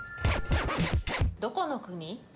どこの国？